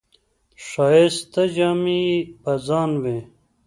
ښایسته جامې یې په ځان وې.